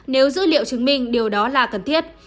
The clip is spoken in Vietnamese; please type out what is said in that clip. nếu dữ liệu chứng minh điều đó là cần thiết